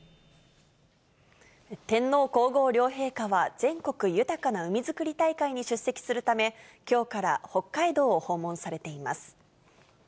天皇皇后両陛下は、全国豊かな海づくり大会に出席するため、きょうから北海道を訪問されています。